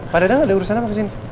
pak dadang ada urusan apa kesini